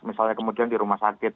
misalnya kemudian di rumah sakit